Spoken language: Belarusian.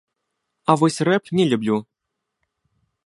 А вось рэп не люблю.